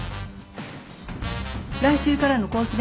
来週からのコース